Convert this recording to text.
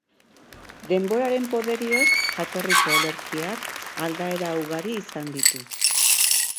Denboraren poderioz, jatorriko olerkiak aldaera ugari izan ditu.